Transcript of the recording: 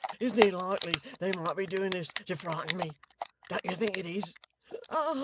Isn't it likely they may be doing this to frighten me? Don't you think it is? Oh!